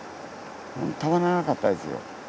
たまらなかったですよ。